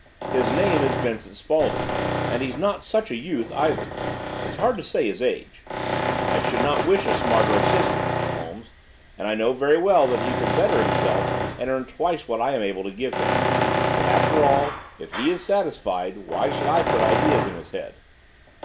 "His name is Vincent Spaulding, and he's not such a youth, either. It's hard to say his age. I should not wish a smarter assistant, Mr. Holmes; and I know very well that he could better himself and earn twice what I am able to give him. But, after all, if he is satisfied, why should I put ideas in his head?"